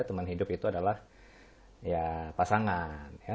teman hidup itu adalah pasangan